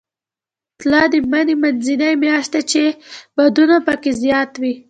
تله د مني منځنۍ میاشت ده، چې بادونه پکې زیات وي.